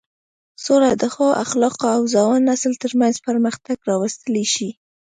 سوله د ښو اخلاقو او ځوان نسل تر منځ پرمختګ راوستلی شي.